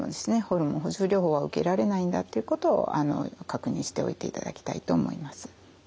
ホルモン補充療法は受けられないんだっていうことを確認しておいていただきたいと思います。